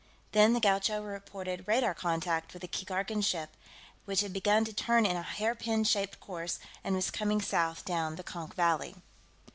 Then the Gaucho reported radar contact with the Keegarkan ship, which had begun to turn in a hairpin shaped course and was coming south down the Konk Valley.